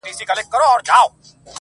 • که دغه مېنه د احمدشاه وای -